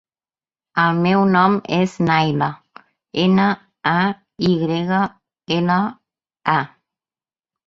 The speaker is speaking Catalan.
El meu nom és Nayla: ena, a, i grega, ela, a.